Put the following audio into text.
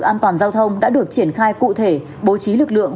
an toàn giao thông đã được triển khai cụ thể bố trí lực lượng